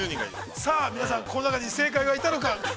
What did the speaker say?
さあ皆さん、この中に正解がいたのか。